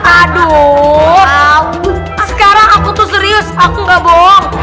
aduh sekarang aku tuh serius aku gak bohong